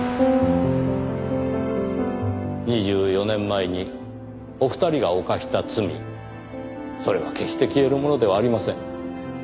２４年前にお二人が犯した罪それは決して消えるものではありません。